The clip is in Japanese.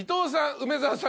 梅沢さん。